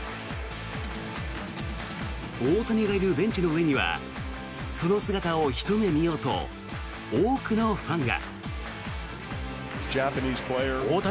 大谷がいるベンチの上にはその姿をひと目見ようと多くのファンが。